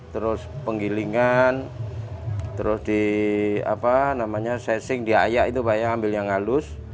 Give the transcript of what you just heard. terus penggilingan terus di sesing diayak itu bayang ambil yang halus